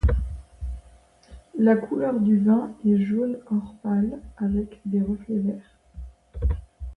La couleur du vin est jaune-or pâle, avec des reflets verts.